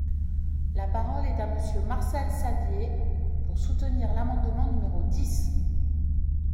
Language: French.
La parole est à Monsieur Martial Saddier, pour soutenir l’amendement numéro dix.